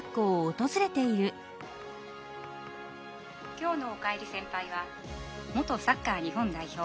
「きょうの『おかえり先輩』は元サッカー日本代表